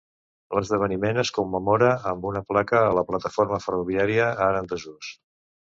L'esdeveniment es commemora amb una placa a la plataforma ferroviària ara en desús.